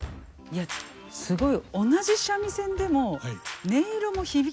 えすごい。